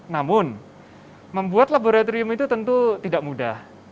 namun membuat laboratorium itu tentu tidak mudah